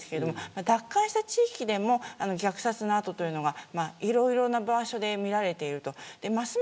奪還した地域でも虐殺の跡がいろいろな場所で見られています。